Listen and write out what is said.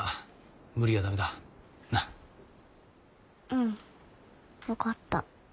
うん分かった。